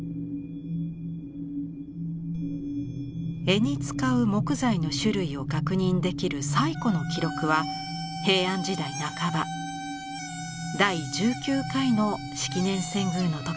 柄に使う木材の種類を確認できる最古の記録は平安時代半ば第１９回の式年遷宮の時のもの。